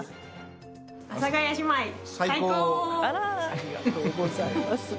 ありがとうございます。